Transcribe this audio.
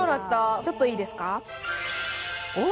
ちょっといいですか？